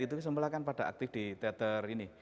itu semua kan pada aktif di teater ini